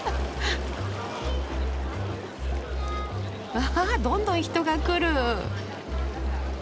わどんどん人が来る。